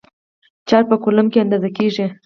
چارج په کولمب کې اندازه کېږي.